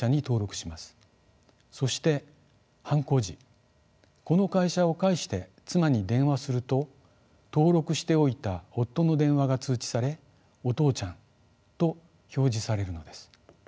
そして犯行時この会社を介して妻に電話すると登録しておいた夫の電話が通知され「お父ちゃん」と表示されるのです。